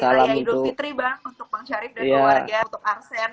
selamat hari tanya hidup fitri bang untuk bang syarif dan keluarga untuk arsene